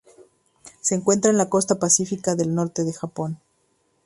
Se encuentra en la costa pacífica del norte del Japón.